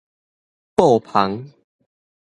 布篷